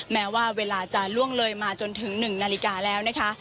แม้ว่าเวลาจะล่วงเลยมาจนถึง๑นาฬิกาแล้วนะคะ